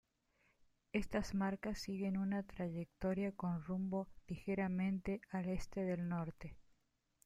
Estas marcas siguen una trayectoria con rumbo ligeramente al este del norte.